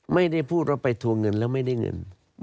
ไม่ได้พูดว่าไปทวงเงินแล้วไม่ได้เงิน